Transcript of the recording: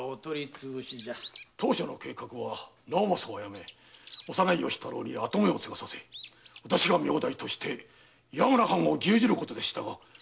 当初の計画は直正を殺め幼い吉太郎に跡目を継がせ私が名代として岩村藩を牛耳ることでしたが何故変更を？